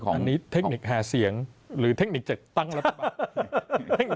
อันนี้เทคนิคหาเสียงหรือจะตั้งรัฐบาล